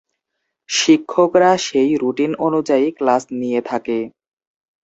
শিক্ষকরা সেই রুটিন অনুযায়ী ক্লাস নিয়ে থাকে।